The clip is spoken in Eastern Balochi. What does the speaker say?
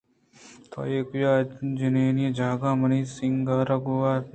تو ایوک ءَجنینی جاگہءَ منی سینگار ءَ گون اِت